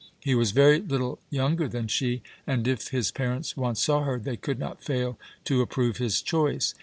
He was very little younger than she, and if his parents once saw her, they could not fail to approve his choice.